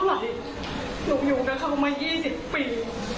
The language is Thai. หนูอยู่กับเขามา๒๐ปี